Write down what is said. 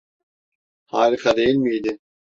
Harika değil miydi?